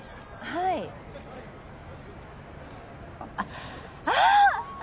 はいあっああ！